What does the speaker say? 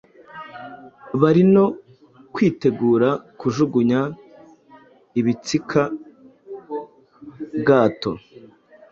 bari no kwitegura kujugunya ibitsikabwato